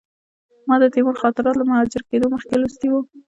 ما د تیمور خاطرات له مهاجر کېدلو مخکې لوستي وو.